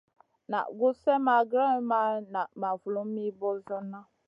Naʼ gus slèʼ ma grewn ma naʼ ma vulum mi ɓosionna.